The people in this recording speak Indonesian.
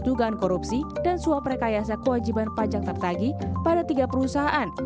dugaan korupsi dan suap rekayasa kewajiban pajak tertagi pada tiga perusahaan